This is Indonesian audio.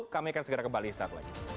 kami akan segera kebalisan